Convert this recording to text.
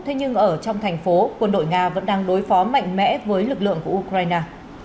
thế nhưng ở trong thành phố quân đội nga vẫn đang đối phó mạnh mẽ với lực lượng của ukraine